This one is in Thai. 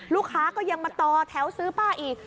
ลูกค้าก็ยังมาต่อแถวซื้อป้าอีก